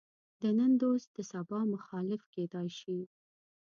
د نن دوست د سبا مخالف کېدای شي.